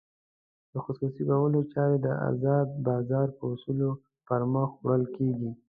د خصوصي کولو چارې د ازاد بازار په اصولو پرمخ وړل کېږي.